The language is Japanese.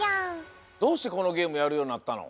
どうしてこのゲームやるようになったの？